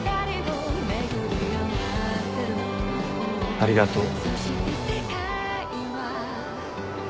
ありがとう。